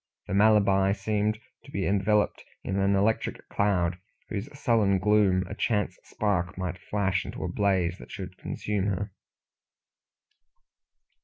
The Malabar seemed to be enveloped in an electric cloud, whose sullen gloom a chance spark might flash into a blaze that should consume her.